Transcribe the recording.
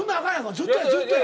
ずっとやずっとや。